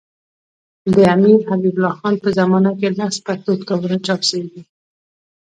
د امیرحبیب الله خان په زمانه کي لس پښتو کتابونه چاپ سوي دي.